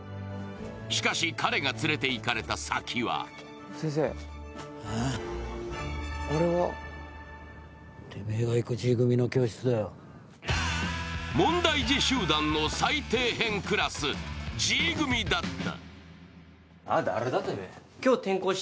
しかし、彼が連れていかれた先は問題児集団の最底辺クラス・Ｇ組だった。